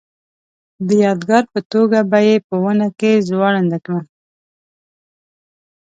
د یادګار په توګه به یې په ونه کې ځوړنده کړم.